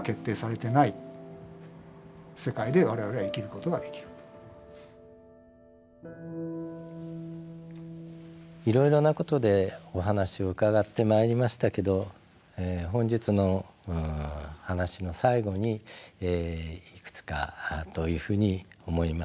決定論は怖くないといいますかいろいろなことでお話を伺ってまいりましたけど本日の話の最後にいくつかというふうに思います。